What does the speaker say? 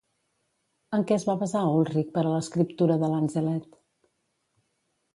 En què es va basar Ulrich per a l'escriptura de Lanzelet?